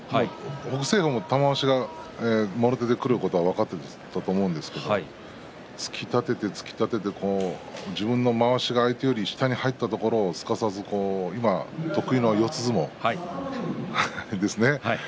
北青鵬も玉鷲がもろ手でくることは分かっていたと思うんですけれど突き立てて突き立てて自分のまわしが相手より下に入ったところをすかさず得意の四つ相撲ですね。